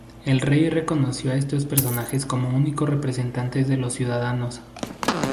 El rey reconoció a estos personajes como únicos representantes de los ciudadanos.